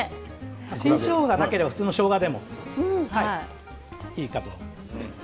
新しょうががなかったら普通のしょうがでもいいかと思います。